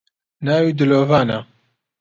ناوی دلۆڤانە